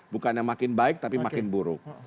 bukannya makin baik tapi makin buruk